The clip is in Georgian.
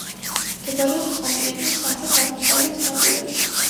მდებარეობს კონტინენტის სამხრეთ-აღმოსავლეთ სანაპიროზე.